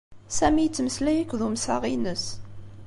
Sami yettmeslay akked umseɣ-ines.